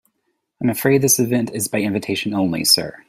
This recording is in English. I'm afraid this event is by invitation only, sir.